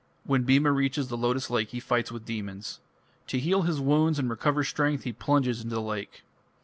When Bhima reaches the lotus lake he fights with demons. To heal his wounds and recover strength he plunges into the lake.